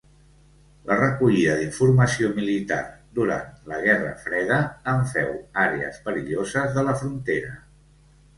La recollida d'informació militar durant la guerra freda en féu àrees perilloses de la frontera.